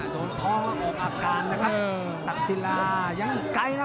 ท้องแล้วออกอาการนะครับตักศิลายังอีกไกลนะ